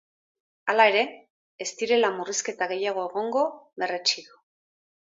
Hala ere, ez direla murrizketa gehiago egongo berretsi du.